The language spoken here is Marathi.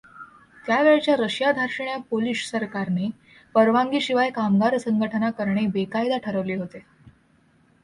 त्यावेळच्या रशियाधार्जिण्या पोलिश सरकारने परवानगी शिवाय कामगार संघटना करणे बेकायदा ठरवले होते.